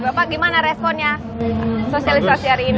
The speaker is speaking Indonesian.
bapak gimana responnya sosialisasi hari ini